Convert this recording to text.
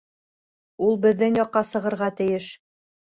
Ул беҙҙең яҡҡа сығырға тейеш.